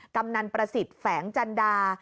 กำนันประสิทธิ์แฝงจันดา